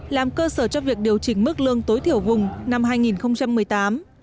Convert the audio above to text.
làm cơ sở cho việc điều chỉnh mức lương tối thiểu vùng năm hai nghìn một mươi tám